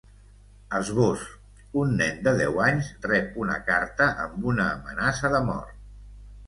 Esbós: Un nen de deu anys rep una carta amb una amenaça de mort.